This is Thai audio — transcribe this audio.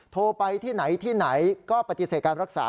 โทรไปที่ไหนที่ไหนก็ปฏิเสธการรักษา